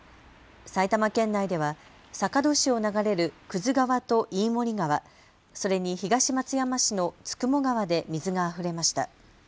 埼玉県内では坂戸市を流れる葛川と飯盛川、それに東松山市の九十九川で水があふれました。